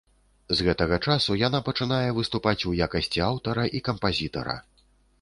З гэтага часу яна пачынае выступаць у якасці аўтара і кампазітара.